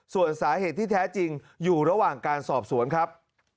ส่วนสาเหตุที่แท้จริงอยู่ระหว่างการสอบสวนครับ